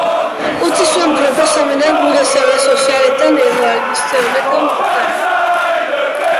Utzi zuen proposamenak gure sare sozialetan edo albiste honetan bertan.